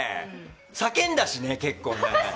叫んだしね、結構ね。